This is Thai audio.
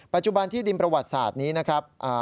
ปัจจุบันที่ดินประวัติศาสตร์นี้นะครับ